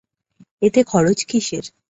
এতে খরচ কিসের?